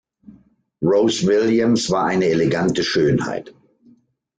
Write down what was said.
Rose Williams war eine elegante Schönheit.